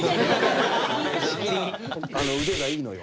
あの腕がいいのよ。